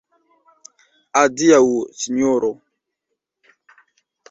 Adiaŭ, Sinjoro!